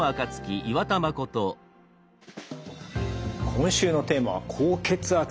今週のテーマは高血圧です。